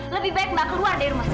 lebih baik nggak keluar dari rumah saya